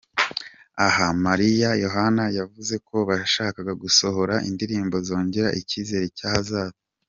Aha, Mariya Yohana yavuze ko bashakaga gusohora indirimbo zongera icyizere cy’ahazaza.